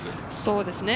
そうですね。